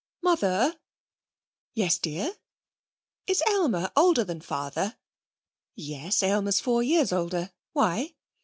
'Mother!' 'Yes, dear?' 'Is Aylmer older than father?' 'Yes. Aylmer's four years older. Why?'